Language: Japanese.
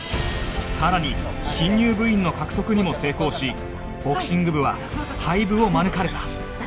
さらに新入部員の獲得にも成功しボクシング部は廃部を免れた